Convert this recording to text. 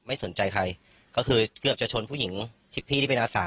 ไม่สนใจใครก็คือเกือบจะชนผู้หญิงที่พี่ที่เป็นอาสา